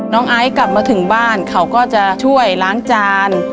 ไอซ์กลับมาถึงบ้านเขาก็จะช่วยล้างจาน